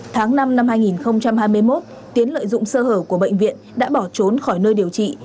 tháng năm năm hai nghìn hai mươi một tiến lợi dụng sơ hở của bệnh viện đã bỏ trốn khỏi nơi điều trị